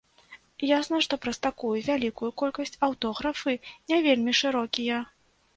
Ясна, што праз такую вялікую колькасць аўтографы не вельмі шырокія.